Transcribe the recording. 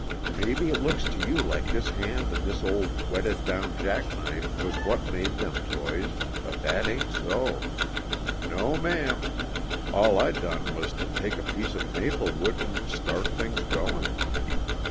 Maybe it looks to you like this hand and this old whetted down jack knife was what made them toys, but that ain't so! No, ma'am! All I done was to take a piece of maple wood and start things going.